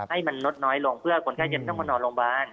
ให้มันลดน้อยลงเพื่อคนไข้จะต้องมานอนโรงพยาบาล